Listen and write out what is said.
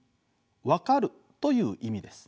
わかるという意味です。